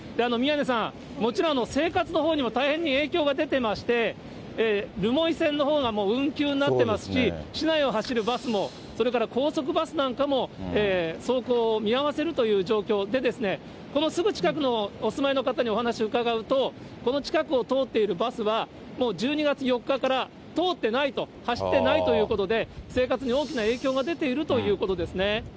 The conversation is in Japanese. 宮根さん、もちろん生活のほうにも大変に影響が出てまして、留萌線のほうがもう運休になってますし、市内を走るバスも、それから高速バスなんかも、走行を見合わせるという状況でですね、このすぐ近くにお住まいの方にお話伺うと、この近くを通っているバスは、もう１２月４日から通ってないと、走ってないということで、生活に大きな影響が出ているということですね。